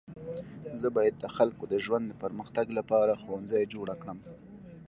زه باید د خلکو د ژوند د پرمختګ لپاره ښوونځی جوړه کړم.